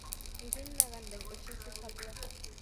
Иренмәгәндең эше сифатлы.